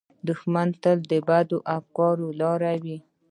دښمن تل د بدو افکارو لاروي وي